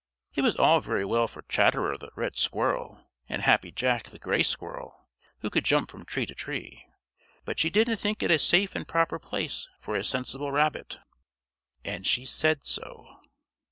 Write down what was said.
It was all very well for Chatterer the Red Squirrel and Happy Jack the Gray Squirrel, who could jump from tree to tree, but she didn't think it a safe and proper place for a sensible Rabbit, and she said so.